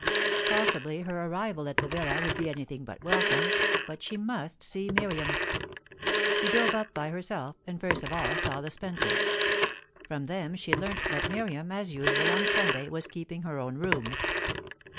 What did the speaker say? Possibly her arrival at the villa would be anything but welcome; but she must see Miriam. She drove up by herself, and first of all saw the Spences. From them she learnt that Miriam, as usual on Sunday, was keeping her own room.